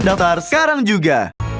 daftar sekarang juga